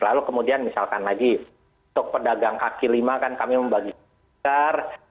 lalu kemudian misalkan lagi untuk pedagang kaki lima kan kami membagikan